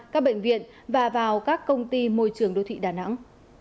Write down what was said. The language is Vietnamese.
các bệnh viện và vào các công ty môi trường đô thị đà nẵng